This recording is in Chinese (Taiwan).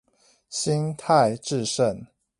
心態致勝